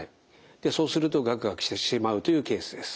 そうするとガクガクしてしまうというケースです。